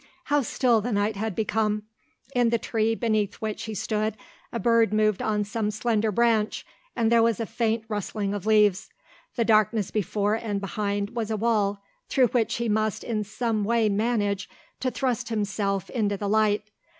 How still the night had become. In the tree beneath which he stood a bird moved on some slender branch and there was a faint rustling of leaves. The darkness before and behind was a wall through which he must in some way manage to thrust himself into the light.